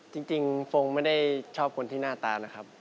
จริงฟงไม่ได้ชอบคนที่หน้าตานะครับ